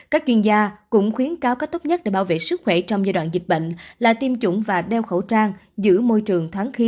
các chuyên gia cũng khuyến cáo cách tốt nhất để bảo vệ sức khỏe trong giai đoạn dịch bệnh là tiêm chủng và đeo khẩu trang giữ môi trường thoáng khí